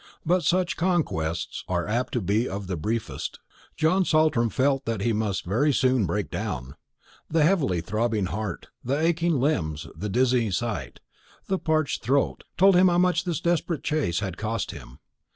But such conquests are apt to be of the briefest. John Saltram felt that he must very soon break down. The heavily throbbing heart, the aching limbs, the dizzy sight, and parched throat, told him how much this desperate chase had cost him.